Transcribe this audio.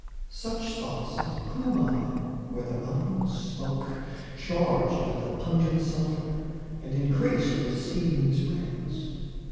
Such spot's at Cumae, where the mountains smoke, Charged with the pungent sulphur, and increased With steaming springs.